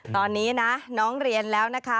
ตอนนี้นะน้องเรียนแล้วนะคะ